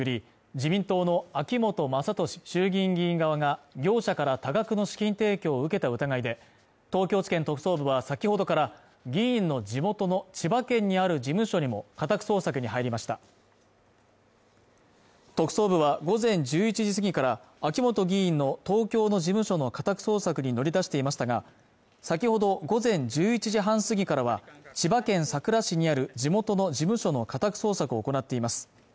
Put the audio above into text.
自民党の秋本真利衆議院議員側が業者から多額の資金提供を受けた疑いで東京地検特捜部は先ほどから議員の地元の千葉県にある事務所にも家宅捜索に入りました特捜部は午前１１時過ぎから秋本議員の東京の事務所の家宅捜索に乗り出していましたが先ほど午前１１時半過ぎからは千葉県佐倉市にある地元の事務所の家宅捜索を行っています